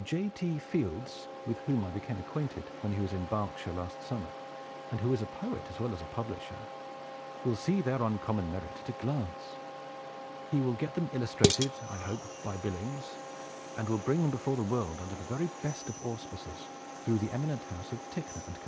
J.T. Fields (with whom I became acquainted when he was in Berkshire, last summer, and who is a poet, as well as a publisher) will see their uncommon merit at a glance. He will get them illustrated, I hope, by Billings, and will bring them before the world under the very best of auspices, through the eminent house of TICKNOR & CO.